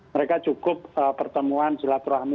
mereka cukup pertemuan jelat rohani